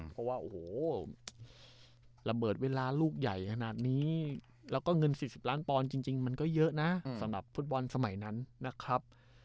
เพราะว่าโอ้โหระเบิดเวลาลูกใหญ่ขนาดนี้แล้วก็เงิน๔๐ล้านปอนด์จริงมันก็เยอะนะสำหรับฟุตบอลสมัยนั้นนะครับ